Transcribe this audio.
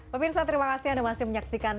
pemirsa terima kasih anda masih menyaksikan